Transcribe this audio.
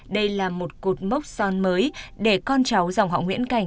đây là một cột mốc son mới để con cháu dòng họ nguyễn cảnh